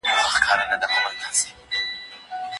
زموږ اخلاق د قدرت د پیاوړتیا لپاره.